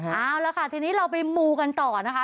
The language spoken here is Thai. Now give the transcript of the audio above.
เอาละค่ะทีนี้เราไปมูกันต่อนะคะ